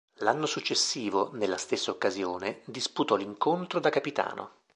L'anno successivo, nella stessa occasione, disputò l'incontro da capitano.